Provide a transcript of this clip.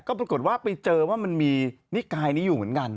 ก็ปรากฏว่าไปเจอว่ามันมีนิกายนี้อยู่เหมือนกัน